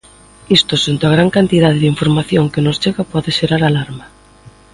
Isto, xunto a gran cantidade de información que nos chega, pode xerar alarma.